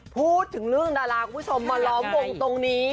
พูดถึงเรื่องดาราคุณผู้ชมมาล้อมวงตรงนี้